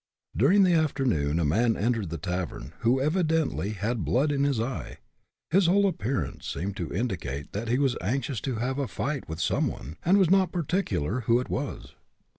During the afternoon a man entered the tavern, who evidently had "blood in his eye." His whole appearance seemed to indicate that he was anxious to have a fight with some one, and was not particular who it was.